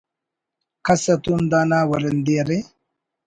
کس اتون دانا ورندی ارے